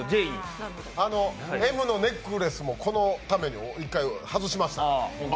Ｍのネックレスもこのために１回、外しました。